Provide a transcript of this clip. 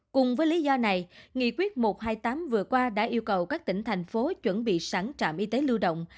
cùng với lý do này nghị quyết một trăm hai mươi tám vừa qua đã yêu cầu các tỉnh thành phố chuẩn bị sẵn trạm y tế lưu động